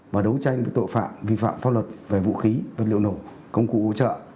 và đấu tranh với tội phạm vi phạm pháp luật về vũ khí vật liệu nổ công cụ hỗ trợ